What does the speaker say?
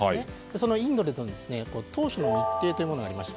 そのインドでの当初の日程というものがありました。